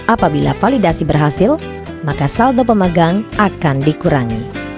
apabila validasi berhasil maka saldo pemegang akan dikurangi